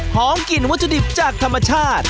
กลิ่นวัตถุดิบจากธรรมชาติ